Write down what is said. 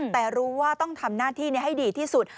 แต่รู้ว่าต้องทำหน้าที่ให้ดีที่สุด